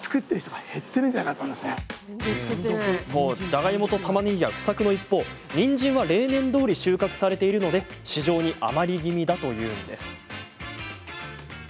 じゃがいもと、たまねぎが不作の一方にんじんは例年どおり収穫されているので市場に余り気味だというんです。